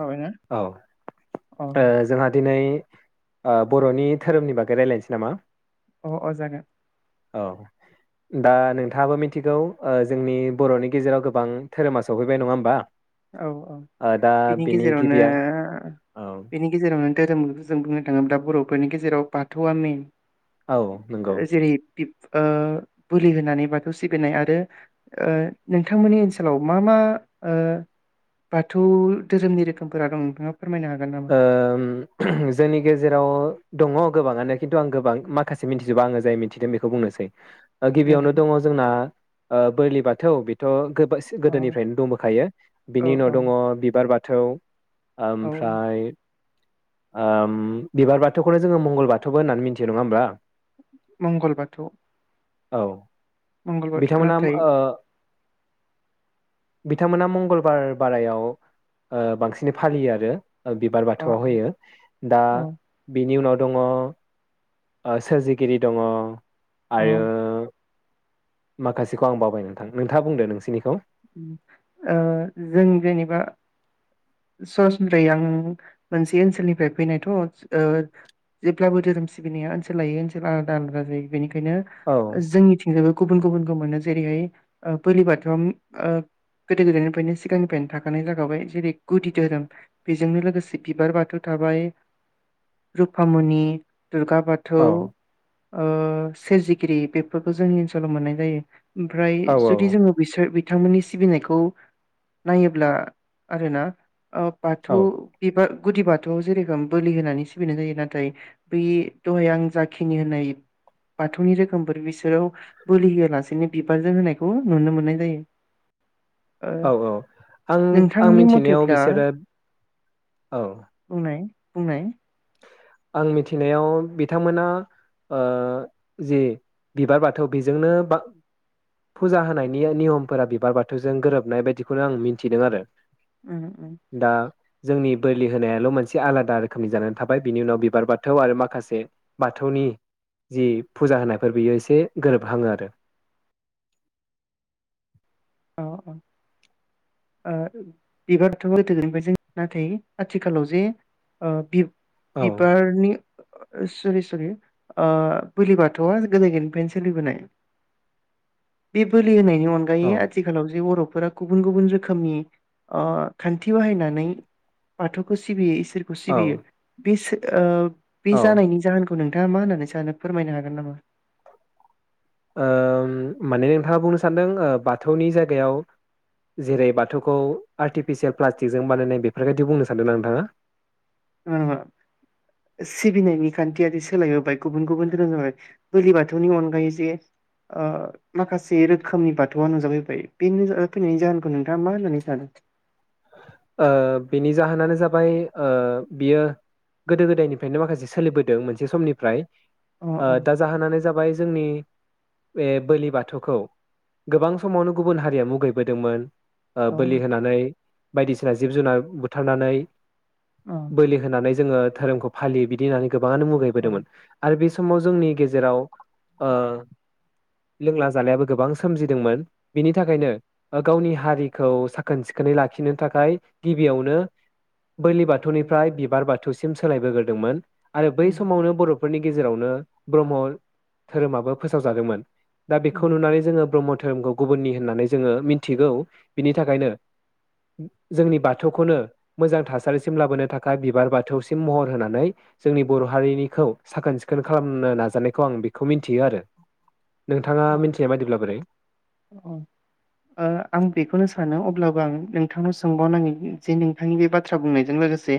जाबायना अ औ जोंहा दिनै बर'नि धोरोमनि बागै रायज्लायनोसै नामा अ अ जागोन औ दा नोंथाङाबो मिथिगौ जोंनि बर'नि गेजेराव गोबां धोरोमा सफैबाय नङा होमबा। औ औ ओ दा बिनि गेजेराव गिबिया [unintelligible] औ बेनि गेजेरावनो धोरोम जों बुंनो थाङोब्ला बर'फोरनि गेजेराव बाथौआ मेन औ नंगौ जेरै बोलि होनानै बाथौ सिबिनाय आरो नोंथांमोननि ओनसोलाव मा मा ओ बाथौ धोरोमनि रोखोमफोरा दं नोंथाङा फोरमायनो हागोन नामा ओम जोंनि गेजेराव दंङ गोबाङानो खिन्थु आं गोबां माखासे मिथिजोबा आङो जाय मिन्थिदों बेखौ बुंनोसै गिबियावनो देलाय दङ जोंना बोरलि बाथ थौ बेथ' गोब अ गोदोनिफ्रायनो दंबोखायो औ बिनि उनाव औ दङ बिबार बाथौ थौ औ ओमफ ओम बिबार बाथौखौनो जोङो मंगल बाथौबो होननानै मिथियो नङा होमबा। मंगलबाथौ औ बिथांमोना नाथाय ओ बिथांमोना मंगलबार बारायाव बांसिनै फालियो आरो बिबार अ बाथौआव अ होयो दा अ बिनि उनाव दङ सोरजिगिरि दङ अ ओ आरो माखासेखौ आं बावबाय नोंथां नोंथाङा बुंदो नोंसिनिखौ ओ जों जेनेबा सरासनस्रायै आं मोनसे ओनसोलनिफ्राय फैनायथ' जेब्लाबो धोरोम सिबिनाया ओनसोल लायो ओनसोल आलादा आलादा जायो बेनिखायनो औ बेंखायनो जोंनिथिंजायबो गुबुन गुबुनखौ मोनो जेरैहाय बोलि बाथौआ गोदो गोदायनिफ्रायनो सिगांनिफ्रायनो थाखानाय जाखाबाय जेरै गुदि धोरोम बेजोंनो लोगोसे बिबार बाथौ थाबाय रुपामुनि दुर्गा फाथौ औ ओ सोरजिगिरि बेफोरखौ जोंनि ओनसोलाव मोननाय जायो। ओमफ्राय औ जुदि औ जोङो बिसोर बि बिथांमोननि सिबिनायखौ नायोब्ला आरोना। आ पाथ' औ बिबार। गुदि बाथौआव जेरोखोम बोलि होनानै सिबिनाय जायो नाथाय बै दहाय आं जाखिनि होननाय बाथौनि रोखोमफोर बिसोराव बोलि होआलासेनो बिबारजों होनायखौ नुनो मोननाय जायो। ओ औ औ आं आं नोंथांनि मिथिनायाव। अ मथेब्ला बिसोरो औ। बुंनाय बुंनाय। आं मिथिनायाव बिथांमोना ओ जि बिबार बाथौ बेजोंनो बा फुजा होनायनि नियमफोरा बिबार बाथौजों गोरोबनाय बायदिखौनो आं मिथिदों आरो। उम उम। दा जोंनि बोलि होनायाल' मोनसे आलादा रोखोमनि जानानै थाबाय। बिनि उनाव बिबार बाथौ आरो माखासे बाथौनि जि फुजा होनायफोर बियो एसे गोरोबहाङो आरो। अ अ ओ बिबारथ' [unintelligible] आथिखालाव जे ओ बि औ बिबारनि। [unintelligible] सिरि सिरि ओ बोलि बाथौआ गोदोनिफ्रायनो सोलिबोनाय बे बोलि होनाय। नि अनगायै औ आ जे बर'फोरा गुबुन गुबुन रोखोमनि अ खान्थि बाहायनानै बाथौखौ सिबियो इसो [unintelligible] औ सिबियो बेसो ओ। बे औ जानायनि जाहोनखौ नों थाङा ना मा होननानै सानो फोरमायनो हागोन नामा। ओ माने नोंथाङा बुंनो सान्दों ओ बाथौनि जायगायाव जेरै बाथौखौ आर्टिफिसियेल प्लास्टिकजों बानायनाय बेफोरबायदि बुंनो सानदों ना नोंथाङा। [unintelligible] सिबिनायनि खान्थियारि सोलायबोबाय गुबुन गुबुन धोरोम जाबाय बोलि बाथौनि अनगायै जे ओ माखासे रोखोमनि बाथौआ नुजाफैबाय बे नुजाफैनायनि जाहोनखौ नोंथाङा मा होननानै सानो। ओ बेनि जाहोनानो जाबाय ओ बियो गोदो गोदायनिफ्रायनो माखासे सोलिबोदों मोनसे समनिफ्राय। अ ओ अ दा जाहोनानो जाबाय जोंनि बे बोलि बाथौखौ गोबां समावनो गुबुन हारिया मुगैबोदोंमोन। ओ औ बोलि होनानै। बायदिसिना जिब जुनार बुथारनानै। अ बोलि होनानै। जोङो धोरोमखौ फालियो बिदि होनानै गोबाङानो अ मुगैबोदोंमोन आरो बे समाव जोंनि गेजेराव ओ लोंला जालायाबो गोबां सोमजिदोंमोन बिनि थाखायनो ओ गावनि हारिखौ साखोन सिखोनै लाखिनो थाखाय गिबियावनो बोलि बाथौनिफ्राय बिबार बाथौसिम सोलायबोग्रोदोंमोन। आरो बै उम समावनो बर' फोरनि गेजेरावनो ब्रह्म धोरोमाबो फोसावजादोंमोन। दा उम बेखौ नुनानै जोङो ब्रह्म धोरोमखौ गुबुननि होननानै जोङो मिथिगौ बिनि थाखायनो। जोंनि बाथौखौनो मोजां थासारिसिम लाबोनो थाखाय बिबार बाथौसिम महर होनानै जोंनि बर' हारिनिखौ साखोन सिखोन खालामनो नाजानायखौ आं बेखौ मिथियो आरो । अ अ ओ आं बेखौनो सानो अब्लाबो आं नोंथांनाव सोंबावनांगोन जे नोंथांनि बे बाथ्रा बुंनायजों लोगोसे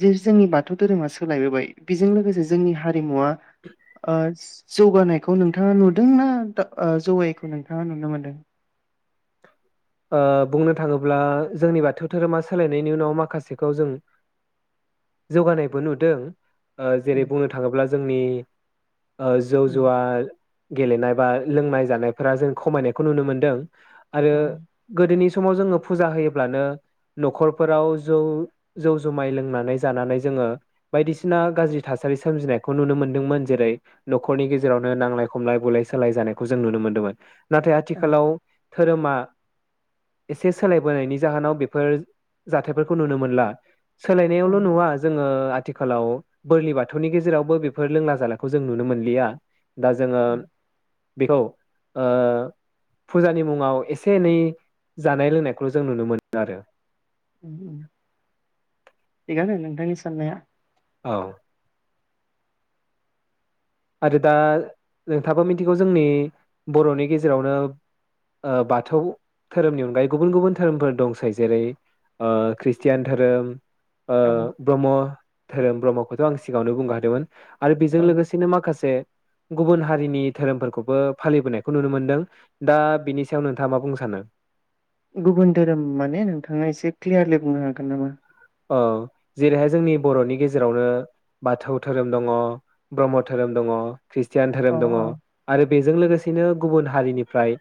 जे जोंनि बाथौ धोरोमा सोलायबोबाय बेजों लोगोसे जोंनि हारिमुवा ओ जौगानायखौ नोंथाङा नुदोंना ओ जौगायैखौ नोंथाङा नुनो मोनदों? ओ बुंनो थाङोब्ला जोंनि बाथौ धोरोमा सोलायनायनि उनाव माखासेखौ जों जौगानायबो नुदों । ओ जेरै उम बुंनो थाङोब्ला जोंनि ओ जौ उम जुवा गेलेनाय बा लोंनाय जानायफोरा जों खमायनायखौ नुनो मोन्दों । आरो औ गोदोनि समाव जोङो फुजा होयोब्लानो न'खरफोराव जौ जौ जुमाय लोंनानै जानानै जोङो बायदिसिना गाज्रि थासारि सोमजिनायखौ नुनो मोन्दोंमोन जेरै न'खरनि गेजेरावनो नांलाय खमलाय बुलाय सोलाय जानायखौ जों नुनो मोन्दोंमोन । नाथाय आथिखालाव धोरोमा एसे सोलायबोनायनि जाहोनाव बेफोर जाथायफोरखौ नुनो मोनला । औ सोलायनायावल' नुवा जोङो आथिखालाव बोरलि बाथौनि गेजेरावबो बेफोर लोंला जाानायखौ जों नुनो मोनलिया । दा जोङो औ बेखौ ओ फुजानि मुङाव एसे एनै जानाय लोंनायखौ जों नुनो मोनो आरो । उम्म उम्म थिगानो नोंथांनि साननाया । औ आरो दा नोंथांङाबो मिथिगौ जोंनि बर'नि गेजेरावनो ओ बाथौ धोरोमनि अनगायै गुबुन गुबुन धोरोमफोर दंसै जेरै ओ ख्रिषटियान धोरोम ओ औ ब्रह्म धोरोम ब्रह्मखौथ' सिगाङावनो बुंखा दोंमोन । आरो बेजों औ लोगोसे माखासे गुबुन हारिनि धोरोमफोरखौबो फालिबोनायखौ नुनो मोनदों दा बिनि सायाव नोंथाङा मा बुंनो सानो? गुबुन धोरोम माने नोंथाङा एसे क्लियारलि बुंनो हागोन नामा? औ जेरैहाय जोंनि बर'नि गेजेरावनो बाथौ धोरोम दङ ब्रह्म धोरोम दङ । ख्रिष्टियान अ धोरोम दङ अ आरो बेजों लोगोसेनो गुबुन हारिनिफ्राय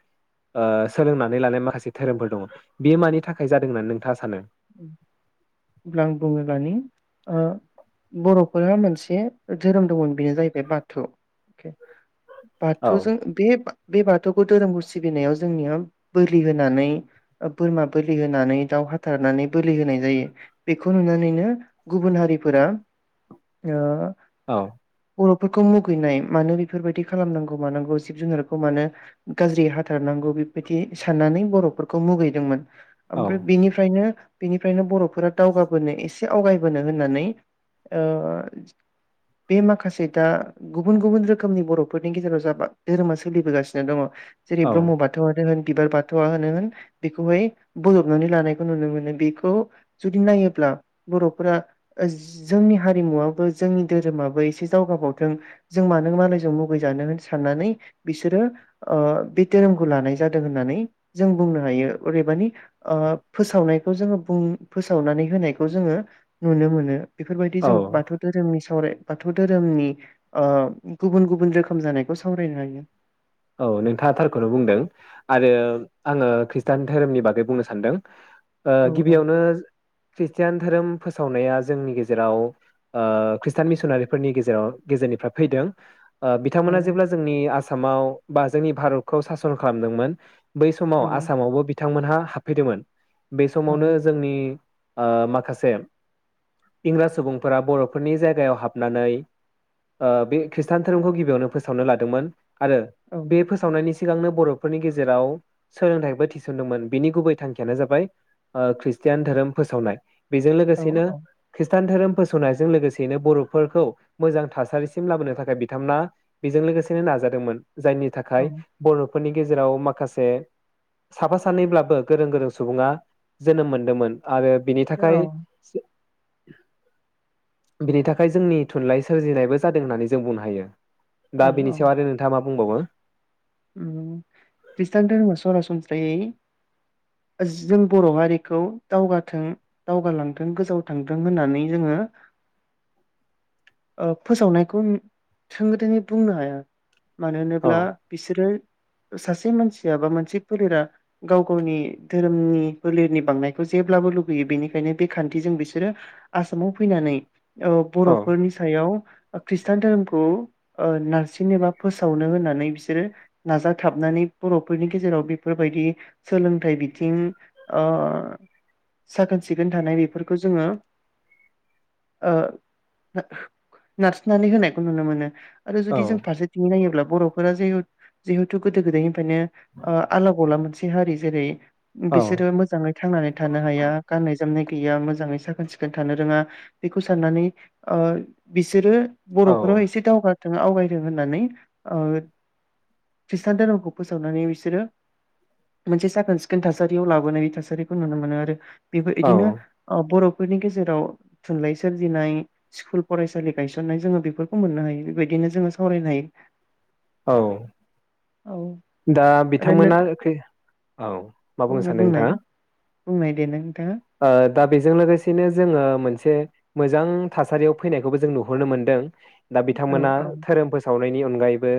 ओ सोलोंनानै लानाय माखासे धोरोमफोर दङ बेयो मानि थाखाय जादों होननानै नोंथाङा सानो? उम्म होब्ला आं बुङोब्लानो ओ बर'फोरा मोनसे धोरोम दंमोन बेनो जाहैबाय बाथौ अके । औ बाथौजों बे बे बाथौखौ धोरोमखौ सिबिनायाव जोंनियाव बोलि होनानै बोरमा बोलि होनानै दाउ हाथार थारनानै बोलि होनाय जायो बेखौ नुनानैनो गुबुन हारिफोरा ओ औ बर'फोरखौ मुगैनाय मानो बेफोरबायदि खालामनांगौ मानांगौ जिब जुनारखौ मानो गाज्रि हाथारनांगौ बेबायदि साननानै बर'फोरखौ मुगैदोंमोन । ओमफ्राय औ बिनि ओ बेनिफ्रायनो बर'फोरा दावगाबोनो एसे आवगायबोनो होननानै ओ बे माखासे दा गुबुन गुबुन रोखोमनि बर'फोरनि गेजेराव जाबा धोरोमा सोलिबोगासिनो दङ जेरै औ ब्रह्म बाथौआनो होन बिबार बाथौआ होनोन बेखौहाय बजबनानै लानाय खौ नुनो मोनो बेखौ जुदि नायोब्ला बर'फोरा जोंनि हारिमुवाबो जोंनि धोरोमाबो एसे जावगाबावथों जों मानो मानो जों मुगैजानो होन साननानै बिसोरो ओ बे धोरोमखौ लानाय जादों होननानै जों बुंनो हायो अदेबानि ओ फोसावनायखौ जोङो बुं फोसावनानै होनायखौ जोङो नुनो मोनो। बेफोरबायदि औ जों बाथौ धोरोमनि सावराय बाथौ धोरोमनि ओ गुबुन गुबुन रोखोम जानायखौ सावरायनो हायो। औ नोंथाङा थारखौनो बुंदों आरो आङो खृष्टान धोरोमनि बागै बुंनो सानदों। ओ औ गिबियावनो खृष्टान धोरोम फोसावनाया जोंनि गेजेराव ओ खृष्टान मिसनारिफोरनि गेजेराव गेजेरनिफ्राय फैदों। ओ औ बिथांमोना जेब्ला जोंनि आस सामाव बा जोंनि भारतखौ सासन खालामदोंमोन। बै समाव औ आसामावबो बि बिथांमोनहा हाबफैदोमोन। बे औ समावनो जोंनि ओ माखासे इंराज सुबुंफोरा बर'फोरनि जायगायाव हाबनानै ओ बे खृष्टान धोरोमखौ गिबियावनो फोसावनो लादोंमोन आरो औ बे फोसावनायनि सि सिगांनो बर'फोरनि गेजेराव सोलोंथाइबो थिसनदोंमोन बिनि गुबै थांखियानो जाबाय ओ खृस्टियान धोरोम फोसावनाय। बेजों औ लोगोसेनो खृ ष्टान धोरोम फोसावनायजों लोगोसेयैनो बर'फोरखौ मोजां थासारिसिम लाबोनो थाखाय बिथांमोना बेजों लोगोसेनो नाजादोंमोन। जायनि औ थाखाय बर' फोरनि गेजेराव माखासे साफा सानैब्लाबो गोरों गोरों सुबुङा जोनोम मोनदोंमोन। आरो बिनि थाखाय बिनि थाखाय जोंनि थुनलाइ सोरजिनायबो जादों होननानै जों बुंनो हायो। औ दा बिनि सायाव आरो नोंथाङा माब बुंंबावो। ओम ख्रिष्टान धोरोम सरासनस्रायै जों बर' हारिखौ दावगाथों दावगालांथों गोजौ थांथों होननानै जोङो ओ फोसावनायखौ थोंगोथोङै बुंनो हाया। मानो औ होनोब्ला बिसोरो सासे मानसिया बा मोनसे फोलेरा गाव गावनि धोरोमनि फोलेरनि बांनायखौ जेब्लाबो लुगैयो बेनिखायनो बे खान्थिजों बिसोरो आसामाव फैनानै ओ औ बर'फोरनि सायाव खृष्टान धोरोमखौ ओ नारसिनो बा फोसावनो होननानै बिसो सोरो नाजाथाबनानै बर'फोरनि गेजेराव बेफोरबायदि सोलोंथाइ बिथिं ओ साखोन सिखोन थानाय बेफोरखौ जोङो ओ नारसिनोननानै होनायखौ नुनो मोनो। आरो औ जुदि जों फारसेथिंङै नायोब्ला बर'फोरा जिहु जिहथु गोदो गोदाय नो ओ आला गला मोनसे थि हारि जेरै औ बिसोरो मोजाङै थांनानै थानो हाया गाननाय जोमनाय गैया मोजाङै साखोन सिखोन थानो रोङा बेखौ साननानै ओ बिसोरो औ बर'फोराबो एसे दावगा आवगायदों होननानै औ खृष्टान धोरोमखौ फोसावनानै बिसोरो मोनसे साखोन सिखोन थासारियाव लाबोनाय थासारिखौ नुनो मोनो आरो बेफोर औ इदिनो ओ बर' फोरनि गेजेराव थुनलाइ सोरजिनाय स्कुल फरायसालि गायसननाय जोङो बेफोरखौ मोननो हायो बेबायदिनो जोङो सावरायनो हायो। औ औ दा ओरैनो बिथांमोना औ मा बुंनो सानदों बुंनाय नोंथाङा। बुंनाय दे नों ओ दा बेजों लोगोसेनो जोङो मोनसे मोजां थासारियाव फैनायखौबो जों नुहुरनो मोनदों। दा औ बिथांमोना औ धोरोम फोसाव नि अनगायैबो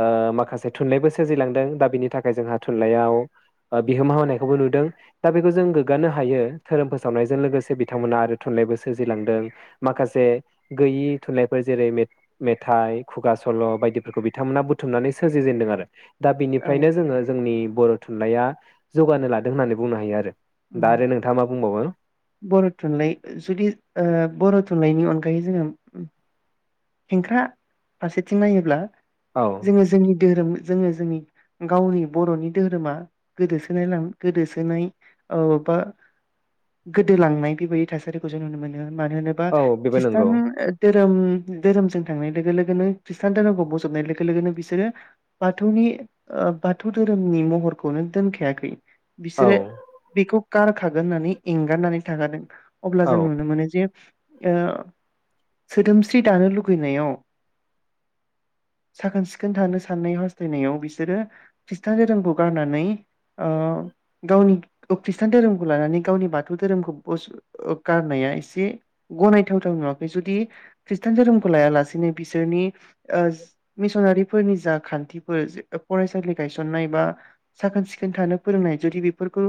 ओ माखासे थुनलाइबो सोरजिलांदों दा बिनि थाखाय जोंहा थुनलाइयाव बिहोमा होनायखौबो नुदों दा बेखौ जों गोग्गानो हायो। धोरोम फोसावनायजों लोगोसे बिथांमोना आरो थुनलाइबो सोरजिलांदों माखासे गैयि थुनलाइफोर जेरै मेथाइ खुगा सल बायदिफोरखौ बिथांमोना बुथुमनानै सोरजिजेनदों आरो दा औ बिनिफ्रायनो जोङो जोंनि बर' थुनलाइया जौगानो लादों होननानै बुंनो हायो आरो उम दा आरो नों बर' थुनलाइ जुदि ओ बर' थुनलाइनि नि अनगायै जोङो हेंख्रा फारसेथिं नायोब्ला औ जोङो जोंनि धोरोम जोङो जोंनि गावनि बरनि धहोरोमा गोदोसोनालां गोदोसोनाय औ बा गोदोलांनाय बेबायदि थासारिखौ जों नुनो मोनो मानो होनोबा औ बेबो नंगौ खृष्टान ओ [unintelligible] धोरोमजों थांनाय लोगो लोगोनो खृष्टान धोरोमखौ बजबनाय लोगो लोगोनो बिसोरो बाथौनि बाथौ धोरोमनि महरखौनो दोनखायाखै औ बिसोरो बेखौ गार खागोन होननानै एंगारनानै थाखादों। अब्ला औ जों नुनो मोनो जे ओ सोदोमसि स्रि दानो लुगैनायाव साखोन सिखोन थानो साननाय हास्थायनायाव बिसोरो खृषटान धोरोमखौ गारनानै ओ गावनि खृष्टान धोरोमखौ लानानै गावनि बाथौ धोरोमखौ गारनाया एसे गनायथावथाव नुवाखै जुदि खृष्टान धोरोमखौ लायालासिनो बिसोरनि मिसनारिफोरनि जा खान्थिफोर फरायसालि गायसननाय बा साखोन सिखोन थानो फोरोंनाय जुदि बेफोरखौ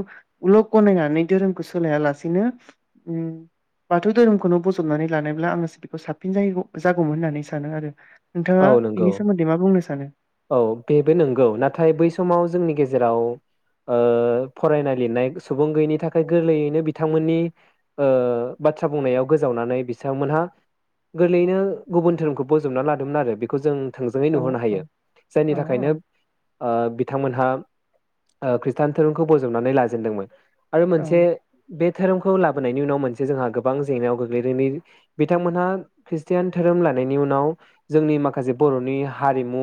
लक गनायनानै धोरोमखौ सोलाया लासिनो बाथौ धोरोमखौनो बजबनानै लानायब्ला आङो बेखौ साबसि जागौमोन होननानै सानो आरो नोंथाङा औ बिनि नंगौ सोमोन्दै मा बुंनो सानो? औ बेबो नंगौ नाथाय बै समाव जोंनि गेजेराव जेराव फरायनाय लिरनाय सुबुं गैयैनि थाखाय गोरलैयैनो बिथांमोननि बाथ्रा बुंनायाव गोजावनानै बिथांमोनहा गोरलैयैनो गुबुन धोरोमखौ बजबना लादोंमोन आरो बेखौ जों थोंजोङै औ नुहरनो औ हायो जायनि औ थाखायनो ओ बिथांमोनहा खृष्टान धोरोमखौ बजबनानै लाजेनदोंमोन। आरो औ मोनसे बे धोरोमखौ लाबोनायनि उनाव मोनसे जोंहा गोबां जेंनायाव गोग्लैदोंदि बिथांमोनहा खृषटियान धोरोम लानायनि उनाव जोंनि माखासे बर'नि हारिमु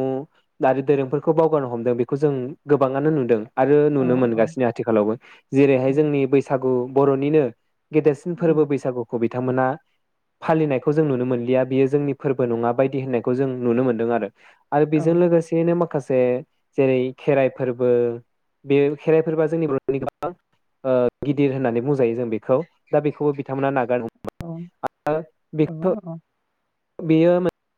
आरो दोरोंफोरखौ बावगारनो हमदों बेखौ जों गोबाङानो नुदों। आरो औ नुनो औ मोनगासिनो आथिखालावबो। जेरैहाय उम जोंनि बैसागु बर'निनो गेदेरसिन उम फोरबो बैसागुखौ बिथांमोना फालिनायखौ जों नुनो मोनलिया बियो जोंनि फोरबो नङा बायदि होननायखौ जों नुनो मोन्दों आरो। आरो औ बेजों लोगोसेनो मा माखासे जेरै खेराइ फोरबो बे खेराइ फोरबोआ जोंनि बर'नि गोबां ओ गिदिर होननानै बुंजायो जों बेखौ दा बेखौबो बिथांमोना नागारनो औ औ औ। बेयो मो